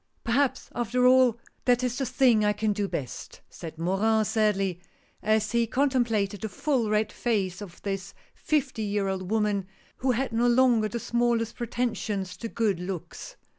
" Perhaps after all that is the thing I can do best," said Morin, sadly, as he contemplated the full red face of this fifty year old woman, who had no longer the smallest pretensions to good looks.